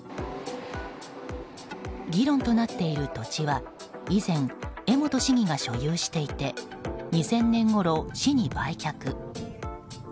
議論となっている土地は以前、江本市議が所有していて２０００年ごろ、市に売却。